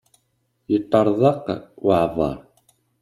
Yeṭṭerḍeq waɛbar.